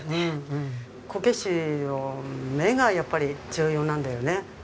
こけしの目がやっぱり重要なんだよね。